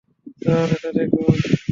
Sir, এটা দেখুন।